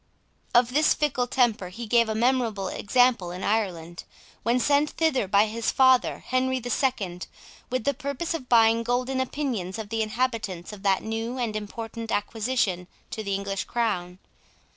Of this fickle temper he gave a memorable example in Ireland, when sent thither by his father, Henry the Second, with the purpose of buying golden opinions of the inhabitants of that new and important acquisition to the English crown.